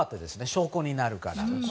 証拠になるから。